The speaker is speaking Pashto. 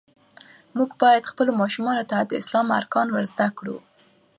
مونږ باید خپلو ماشومانو ته د اسلام ارکان ور زده کړو.